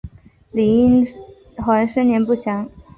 李殷衡生年不详。